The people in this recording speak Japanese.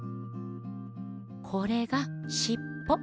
これがしっぽ。